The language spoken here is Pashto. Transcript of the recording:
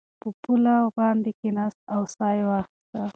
په پوله باندې کېناست او ساه یې واخیسته.